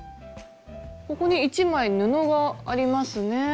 ここに一枚布がありますね。